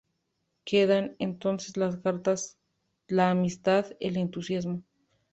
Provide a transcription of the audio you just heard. Quedan, entonces, las cartas la amistad, el entusiasmo.